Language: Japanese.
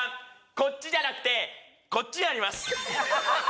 こっちじゃなくてこっちにあります